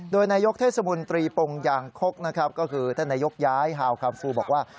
โดยนายกเทศบนตรีปงยางคกนะครับก็คือท่านนายกย้ายฮาวคัมฟูบอกว่า